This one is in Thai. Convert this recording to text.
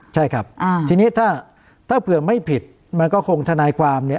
ใช่ครับทีนี้ถ้าเผื่อไม่ผิดมันก็คงทนายความเนี่ย